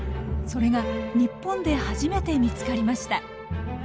それが日本で初めて見つかりました。